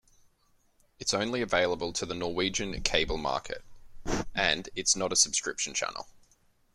Its only available to the Norwegian cable market, and is not a subscription channel.